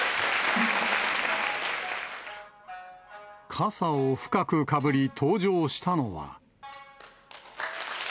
笠を深くかぶり、登場したのは。